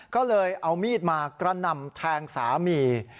ก็เลยเอามีดมากระหน่ำแทงสามี